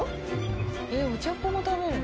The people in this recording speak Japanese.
えっお茶っ葉も食べるの？